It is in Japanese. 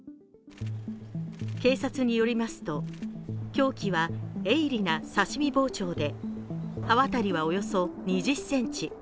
警察によりますと凶器は鋭利な刺身包丁で刃渡りははおよそ２０ｃｍ。